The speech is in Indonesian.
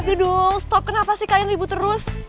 dudung stop kenapa sih kalian ribu terus